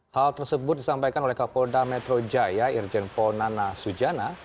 hal tersebut disampaikan oleh kapolda metro jaya irjen paul nana sujana